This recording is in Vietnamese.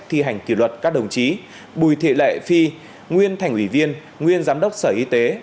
thi hành kỷ luật các đồng chí bùi thị lệ phi nguyên thành ủy viên nguyên giám đốc sở y tế